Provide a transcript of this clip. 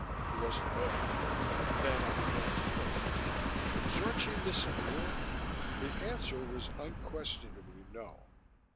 He wasn't there. Then I began to think: Would Zorchi miss a meal? The answer was unquestionably no.